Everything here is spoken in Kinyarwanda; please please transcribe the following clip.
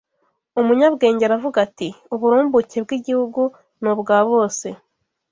Umunyabwenge aravuga ati: Uburumbuke bw’igihugu ni ubwa bose